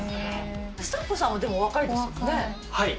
スタッフさんもでも若いですはい。